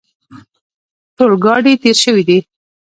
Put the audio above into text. ټول ګاډي تېر شوي دي.